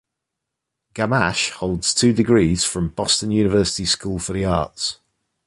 Gamache holds two degrees from Boston University School for the Arts.